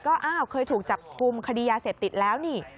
ก็อ้าวเคยถูกจับกลุ่มคดียาเสพติดแล้วนี่